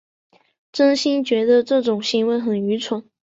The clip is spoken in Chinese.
真心觉得这种行为很愚蠢